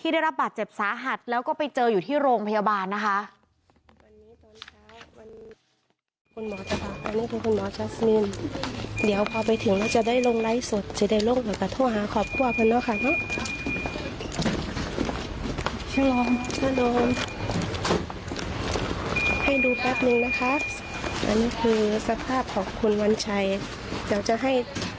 ได้รับบาดเจ็บสาหัสแล้วก็ไปเจออยู่ที่โรงพยาบาลนะคะ